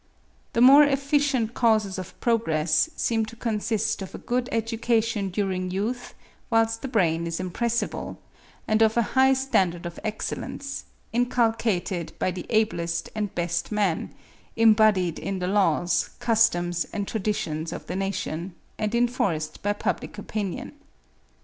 The more efficient causes of progress seem to consist of a good education during youth whilst the brain is impressible, and of a high standard of excellence, inculcated by the ablest and best men, embodied in the laws, customs and traditions of the nation, and enforced by public opinion.